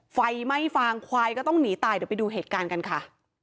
ไฟไหม้ฟางควายก็ต้องหนีตายเดี๋ยวไปดูเหตุการณ์กันค่ะ